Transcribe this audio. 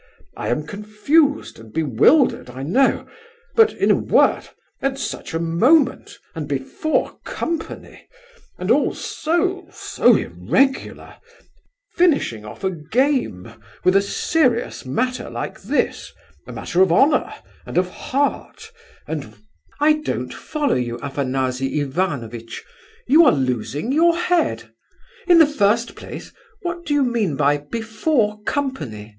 I am confused and bewildered, I know; but, in a word, at such a moment, and before company, and all so so irregular, finishing off a game with a serious matter like this, a matter of honour, and of heart, and—" "I don't follow you, Afanasy Ivanovitch; you are losing your head. In the first place, what do you mean by 'before company'?